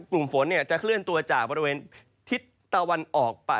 กลุ่มฝนจะเคลื่อนตัวจากบริเวณทิศตะวันออก